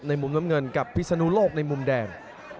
มุมน้ำเงินกับพิศนุโลกในมุมแดง